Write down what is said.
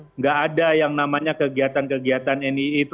tidak ada yang namanya kegiatan kegiatan nii itu